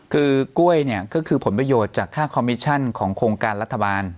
คือกล้วยเนี่ยก็คือผลประโยชน์จากค่าคอมมิชชั่นของโครงการรัฐบาล